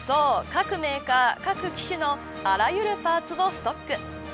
各メーカー、各機種のあらゆるパーツをストック。